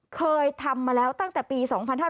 เคยทำมาแล้วตั้งแต่ปี๒๕๕๙